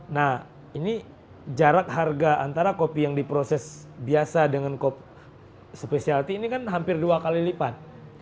nah ini jarak harga antara kopi yang diproses biasa dengan kopi spesialty ini kan hampir dua kali lipat